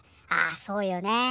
「あそうよね。